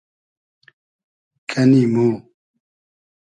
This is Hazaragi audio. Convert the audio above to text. کئنی مۉ